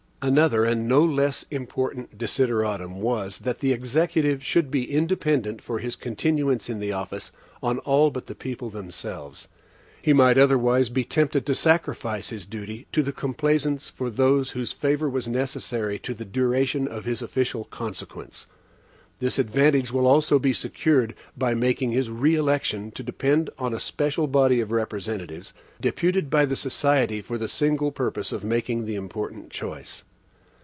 Another and no less important desideratum was, that the Executive should be independent for his continuance in office on all but the people themselves. He might otherwise be tempted to sacrifice his duty to his complaisance for those whose favor was necessary to the duration of his official consequence. This advantage will also be secured, by making his re election to depend on a special body of representatives, deputed by the society for the single purpose of making the important choice.